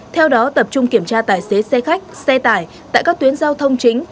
theo đó tập trung kiểm tra tài xế xe khách xe tải tại các tuyến giao thông chính